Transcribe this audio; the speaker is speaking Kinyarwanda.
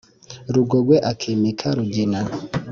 rugogwe akimika rugina.